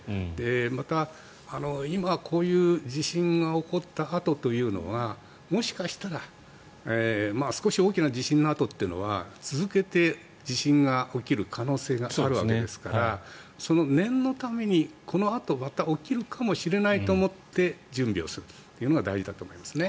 また、今こういう地震が起こったあとというのはもしかしたら少し大きな地震のあとというのは続けて地震が起きる可能性があるわけですから念のために、このあとまた起きるかもしれないと思って準備するというのが大事だと思いますね。